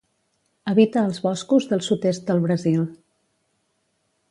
Habita als boscos del sud-est del Brasil.